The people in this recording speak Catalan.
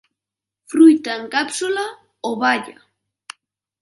Fruit en càpsula o baia.